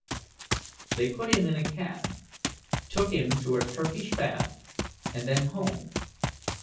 They put him into a cab, took him to a Turkish bath, and then home.